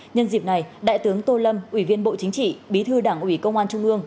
nhân dịp này đại tướng tô lâm ủy viên bộ chính trị bí thư đảng ủy công an trung ương